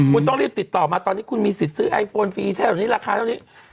คุณต้องรีบติดต่อมาตอนนี้คุณมีสิทธิ์ซื้อไอโฟนฟรีเท่านี้ราคาเท่านี้